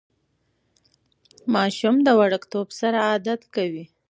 ماشوم د وړکتون سره عادت کوي.